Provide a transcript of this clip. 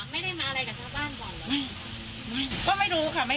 เกิดว่าจะต้องมาตั้งโรงพยาบาลสนามตรงนี้